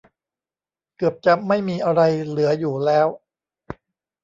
เกือบจะไม่มีอะไรเหลืออยู่แล้ว